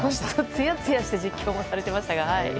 つやつやして実況もされていましたが。